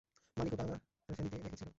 মালিক ওটা আমার ফ্যানিতে রেখেছিলো।